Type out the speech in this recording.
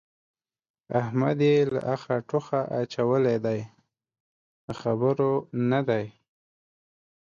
احمد يې له اخه توخه اچولی دی؛ د خبرو نه دی.